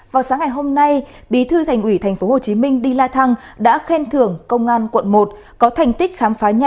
các bạn hãy đăng ký kênh để ủng hộ kênh của chúng mình nhé